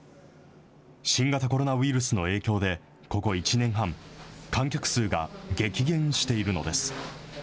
新型コロナウイルスの影響で、ここ１年半、観客数が激減しているのです。